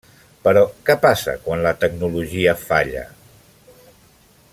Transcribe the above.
Però que passa quan la tecnologia falla?